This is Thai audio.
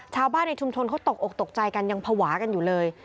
ชาวบ้านในชุมชนเขาตกอกตกใจกันยังภาวะกันอยู่เลย